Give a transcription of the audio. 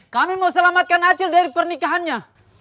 kami mau selamatkan acil dari pernikahannya